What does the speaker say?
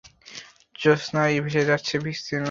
জোছনায় ভেসে যাচ্ছে বিস্তীর্ণ প্রান্তর।